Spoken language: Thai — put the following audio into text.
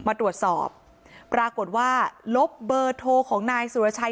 มาตรวจสอบปรากฏว่าลบเบอร์โทรของนายสุรชัย